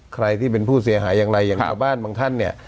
ใครที่เป็นผู้เสียหายอย่างไรอย่างชาวบ้านบางท่านเนี่ย